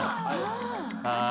ああ。